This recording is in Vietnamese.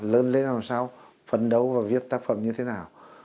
lớn lên làm sao phấn đấu và viết tác phẩm như thế nào